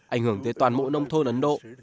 ảnh hưởng tới toàn bộ nông thôn ấn độ